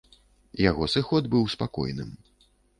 Яго сыход быў спакойным.